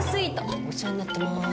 お世話になってます。